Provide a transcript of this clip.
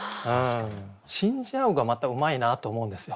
「信じ合ふ」がまたうまいなと思うんですよ。